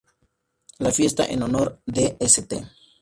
Las fiestas en honor de St.